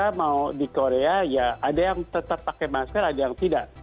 karena mau di korea ya ada yang tetap pakai masker ada yang tidak